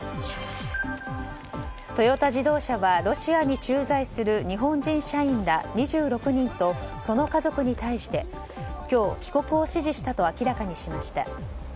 トヨタ自動車はロシアに駐在する日本人社員ら２６人と、その家族に対して今日、帰国を指示したと明らかにしました。